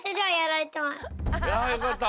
いやよかった。